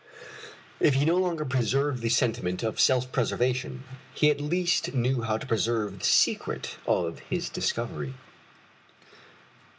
If he no longer preserved the sentiment of self preservation, he at least knew how to preserve the secret of his discovery.